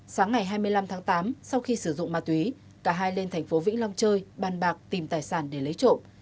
sáng ngày hai mươi năm tháng tám sau khi sử dụng ma túy cả hai lên thành phố vĩnh long chơi bàn bạc tìm tài sản để lấy trộm